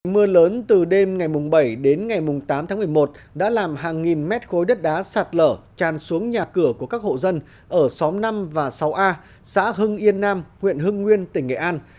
mưa lớn từ đêm ngày bảy đến ngày tám tháng một mươi một đã làm hàng nghìn mét khối đất đá sạt lở tràn xuống nhà cửa của các hộ dân ở xóm năm và sáu a xã hưng yên nam huyện hưng nguyên tỉnh nghệ an